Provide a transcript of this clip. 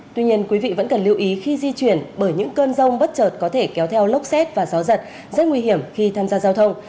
tuy nhiên quý vị vẫn cần lưu ý khi di chuyển bởi những cơn rông bất chợt có thể kéo theo lốc xét và gió giật rất nguy hiểm khi tham gia giao thông